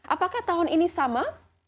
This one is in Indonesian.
apakah tahun ini sama